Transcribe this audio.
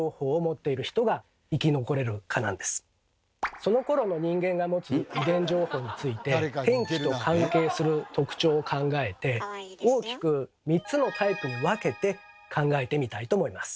そのころの人間が持つ遺伝情報について天気と関係する特徴を考えて大きく３つのタイプに分けて考えてみたいと思います。